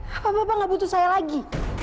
bapak bapak gak butuh saya lagi